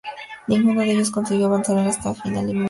Ninguno de ellos consiguió avanzar a la fase final eliminatoria.